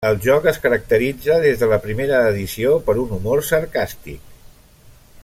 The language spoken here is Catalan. El joc es caracteritza des de la primera edició per un humor sarcàstic.